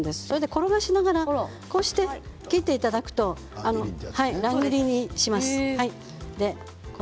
転がしながら切っていくと乱切りになります。